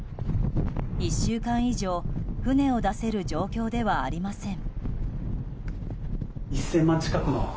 １週間以上船を出せる状況ではありません。